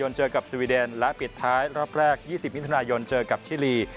และปิดท้ายรอบแรก๒๐มิถุนายนเจอกับชิลี